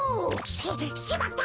ししまった！